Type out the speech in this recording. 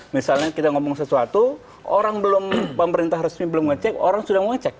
misalnya kita ngomong sesuatu orang belum pemerintah resmi belum ngecek orang sudah mau ngecek